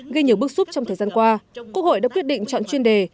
khi nhiều bước xúc trong thời gian qua quốc hội đã quyết định chọn chuyên đề